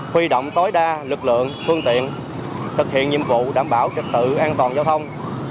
huy động tối đa lực lượng phương tiện thực hiện nhiệm vụ đảm bảo trật tự an toàn giao thông